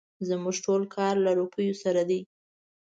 زموږ ټول کار له روپيو سره دی.